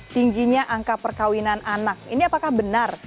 tingginya angka perkawinan anak ini apakah benar